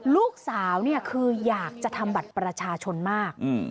ลูกสาวเนี่ยคืออยากจะทำบัตรประชาชนมาก